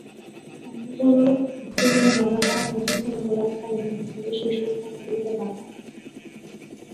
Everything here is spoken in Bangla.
স্তম্ভগুলি ভিত্তিমূলে বর্গাকার, মধ্যস্থলে গোলাকার এবং উপরে শীর্ষস্থানের দিকে বাঁকা।